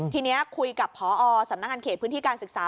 ทีนี้คุยกับพอสำนักงานเขตพื้นที่การศึกษา